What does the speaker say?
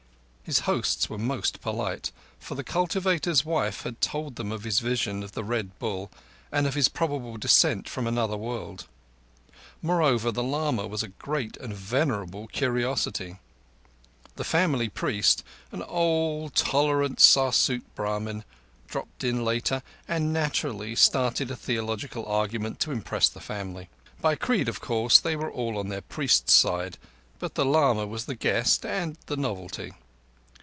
His hosts were most polite; for the cultivator's wife had told them of his vision of the Red Bull, and of his probable descent from another world. Moreover, the lama was a great and venerable curiosity. The family priest, an old, tolerant Sarsut Brahmin, dropped in later, and naturally started a theological argument to impress the family. By creed, of course, they were all on their priest's side, but the lama was the guest and the novelty.